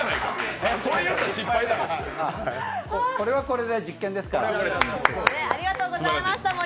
これはこれで実験ですから。